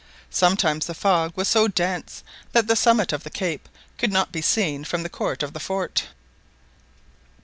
Sometimes the fog was so dense that the summit of the cape could not be seen from the court of the fort.